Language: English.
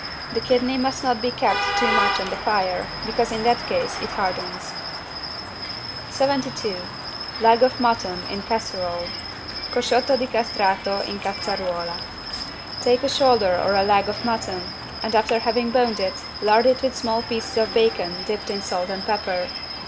The kidney must not be kept too much on the fire, because in that case it hardens. 72 LEG OF MUTTON IN CASSEROLE (Cosciotto di castrato in cazzaruola) Take a shoulder or a leg of mutton and after having boned it, lard it with small pieces of bacon dipped in salt and pepper.